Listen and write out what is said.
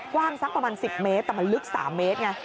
กว้างสักประมาณ๑๐เมตรแต่มันลึก๓เมตรไง